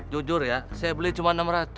jujur ya saya beli cuma rp enam ratus